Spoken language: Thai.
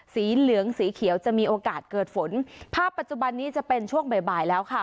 สีเหลืองสีเขียวจะมีโอกาสเกิดฝนภาพปัจจุบันนี้จะเป็นช่วงบ่ายบ่ายแล้วค่ะ